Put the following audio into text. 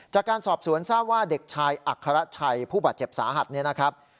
จากการสอบสวนทราบว่าเด็กชายอัครชัยผู้บาดเจ็บสาหัสเนี่ยนะครับ